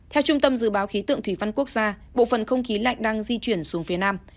theo trung tâm dự báo khí tượng thủy văn quốc gia bộ phần không khí lạnh đang di chuyển xuống phía nam